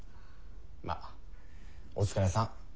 まっお疲れさん。